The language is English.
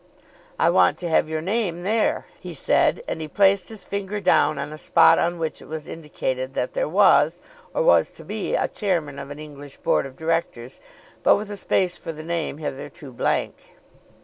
"I want to have your name there," he said. And he placed his finger down on a spot on which it was indicated that there was, or was to be, a chairman of an English Board of Directors, but with a space for the name, hitherto blank.